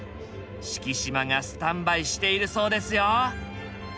四季島がスタンバイしているそうですよ。